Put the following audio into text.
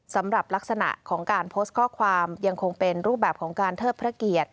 สำหรับลักษณะของการโพสต์ข้อความยังคงเป็นรูปแบบของการเทิดพระเกียรติ